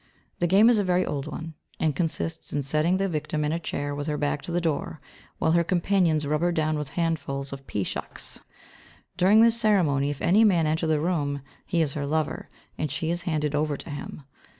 The game is a very old one, and consists in setting the victim in a chair with her back to the door while her companions rub her down with handfuls of pea shucks. During this ceremony if any man enter the room he is her lover, and she is handed over to him.